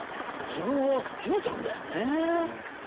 自分を責めちゃうんだよねぇ。